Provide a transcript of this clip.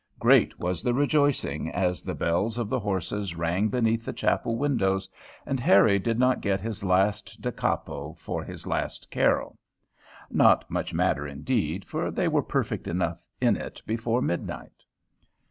Great was the rejoicing as the bells of the horses rang beneath the chapel windows, and Harry did not get his last da capo for his last carol. Not much matter indeed, for they were perfect enough in it before midnight.